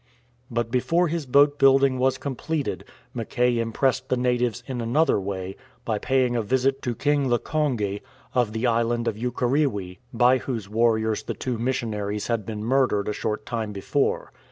But before his boat building was completed, Mackay impressed the natives in another way by paying a visit to King Lkonge, of the island of Ukerewe, by whose warriors the two missionaries had been murdered a short time before.